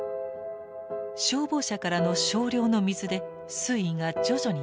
消防車からの少量の水で水位が徐々に上昇。